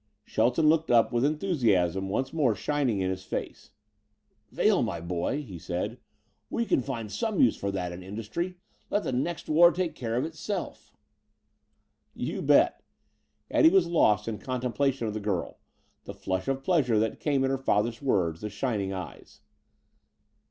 Shelton looked up with enthusiasm once more shining in his face. "Vail, my boy," he said, "we can find some use for that in industry. Let the next war take care of itself." "You bet!" Eddie was lost in contemplation of the girl the flush of pleasure that came at her father's words; the shining eyes.